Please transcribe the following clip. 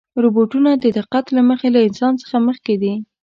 روبوټونه د دقت له مخې له انسان څخه مخکې دي.